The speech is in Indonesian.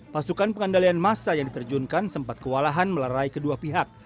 pasukan pengandalian massa yang diterjunkan sempat kewalahan melerai kedua pihak